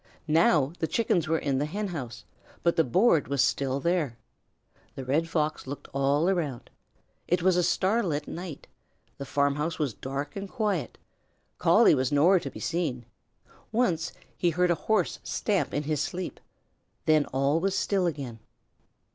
Now the Chickens were in the Hen house, but the board was still there. The Red Fox looked all around. It was a starlight night. The farmhouse was dark and quiet. Collie was nowhere to be seen. Once he heard a Horse stamp in his sleep. Then all was still again.